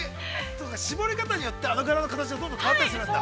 絞り型によって、あの柄の形がどんどん変わったりするんだ。